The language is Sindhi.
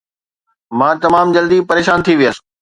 مان تمام جلدي پريشان ٿي ويس